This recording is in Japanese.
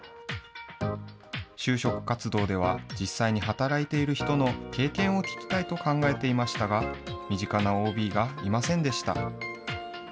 就職活動では、実際に働いている人の経験を聞きたいと考えていましたが、身近なＯＢがいませんでした。